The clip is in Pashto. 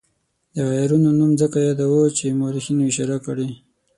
د عیارانو نوم ځکه یادوو چې مورخینو اشاره کړې.